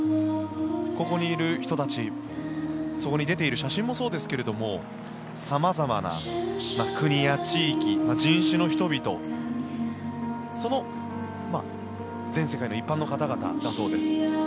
ここにいる人たちそこに出ている写真もそうですけれども様々な国や地域、人種の人々その、全世界の一般の方々だそうです。